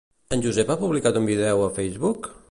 El Josep ha publicat un vídeo a Facebook?